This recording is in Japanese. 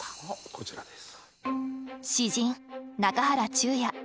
こちらです。